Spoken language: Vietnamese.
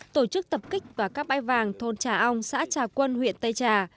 tổ chức tập kích vào các bãi vàng thôn trà ong xã trà quân huyện tây trà